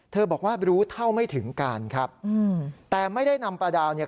บอกว่ารู้เท่าไม่ถึงการครับแต่ไม่ได้นำปลาดาวเนี่ย